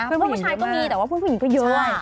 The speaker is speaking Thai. เพื่อนผู้ชายก็มีแต่ว่าเพื่อนผู้หญิงเขาเยอะ